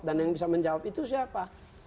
dan yang bisa menjawab itu siapa